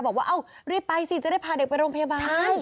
บอกว่าเอ้ารีบไปสิจะได้พาเด็กไปโรงพยาบาล